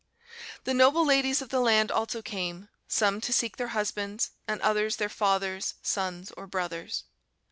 The noble ladies of the land also came, some to seek their husbands, and others their fathers, sons, or brothers.